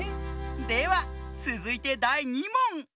ではつづいてだい２もん！